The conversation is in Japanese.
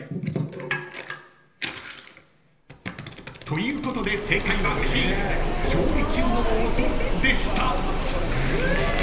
ということで正解はＣ調理中の音でした］